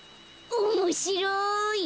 おもしろい！